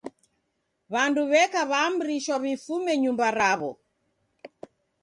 W'andu w'eka w'aamrishwa w'ifume nyumba raw'o.